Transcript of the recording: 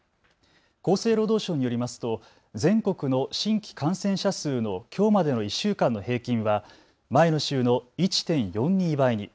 厚生労働省によりますと全国の新規感染者数のきょうまでの１週間の平均は前の週の１．４２倍に。